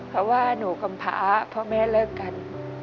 เพราะว่าหนูกำพาพ่อแม่เลิกกัน